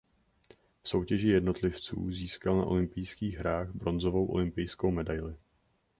V soutěži jednotlivců získal na olympijských hrách bronzovou olympijskou medaili.